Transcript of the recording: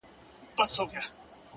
• د اوښکو ته مو لپې لوښي کړې که نه،